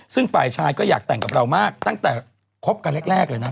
ซึ่งฝ่ายชายก็อยากแต่งกับเรามากตั้งแต่คบกันแรกเลยนะ